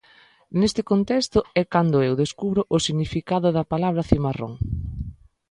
Neste contexto é cando eu descubro o significado da palabra "cimarrón".